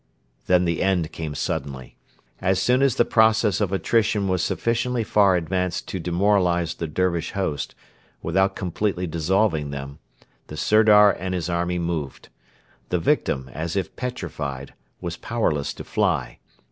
Then the end came suddenly. As soon as the process of attrition was sufficiently far advanced to demoralise the Dervish host, without completely dissolving them, the Sirdar and his army moved. The victim, as if petrified, was powerless to fly.